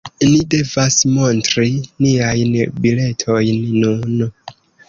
Ni devas montri niajn biletojn nun.